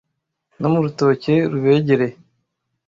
No mu rutoke rubegereye,